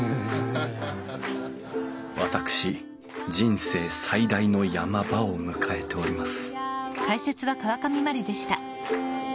私人生最大の山場を迎えております